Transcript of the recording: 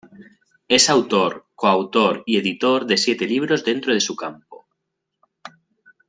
Es autor, coautor y editor de siete libros dentro de su campo.